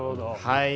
はい。